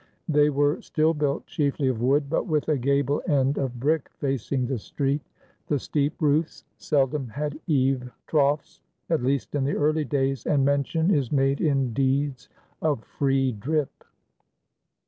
They were still built chiefly of wood, but with a gable end of brick facing the street. The steep roofs seldom had eave troughs, at least in the early days, and mention is made in deeds of "free drip."